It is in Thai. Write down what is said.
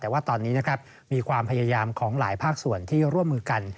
แต่ว่าตอนนี้นะครับมีความพยายามของหลายภาคส่วนที่ร่วมมือกัน